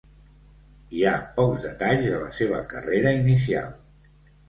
Hi ha pocs detalls de la seva carrera inicial.